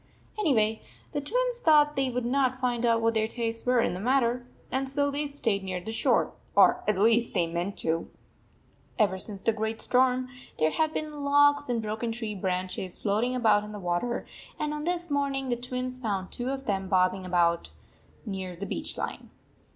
Anyway, the Twins thought they would not find out what their tastes were in the matter, and so they stayed near the shore, or at least they meant to. Ever since the great storm there had been logs and broken tree branches float ing about in the water, and on this morn ing, the Twins found tw r o of them bobbing about near the beach line.